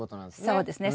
そうですね。